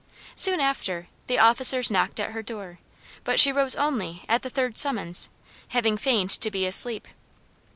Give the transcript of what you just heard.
Soon after, the officers knocked at her door, but she rose only at the third summons, having feigned to be asleep.